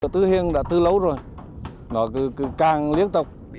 tư hiền đã từ lâu rồi nó càng liên tục